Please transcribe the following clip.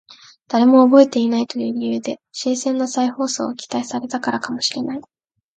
誰も覚えていないという理由で新鮮な再放送を期待されたからかもしれない